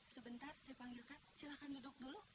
sebentar saya panggilkan silahkan duduk dulu